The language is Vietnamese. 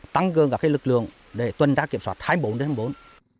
tăng cường cả cái lực lượng để tuần ra kiểm soát hai mươi bốn đến hai mươi bốn